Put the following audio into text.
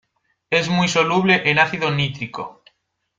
Es muy soluble en ácido nítrico.